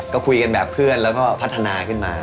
ก็คุยกันแบบเพื่อนแล้วก็พัฒนาขึ้นมา